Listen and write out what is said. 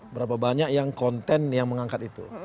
berapa banyak yang konten yang mengangkat itu